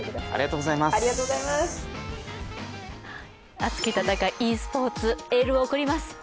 熱き戦い、ｅスポーツ、エールを送ります。